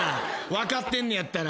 分かってんねやったら。